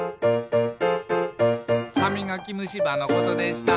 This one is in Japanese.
「はみがきむしばのことでした」